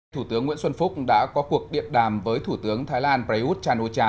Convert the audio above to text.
thủ tướng nguyễn xuân phúc đã có cuộc điện đàm với thủ tướng thái lan prayuth chan o cha